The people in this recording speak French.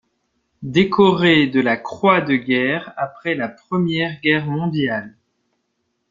Décoré de la Croix de Guerre après la Première Guerre mondiale.